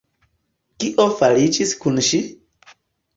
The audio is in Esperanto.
Kio fariĝis kun ŝi?